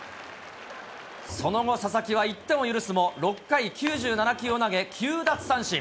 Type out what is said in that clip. その後、佐々木は１点を許すも、６回９７球を投げ、９奪三振。